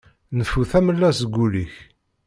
Nfu tamella seg ul-ik!